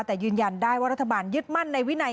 แต่ยืนยันได้ว่ารัฐบาลยึดมั่นในวินัย